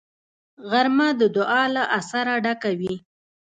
غرمه د دعا له اثره ډکه وي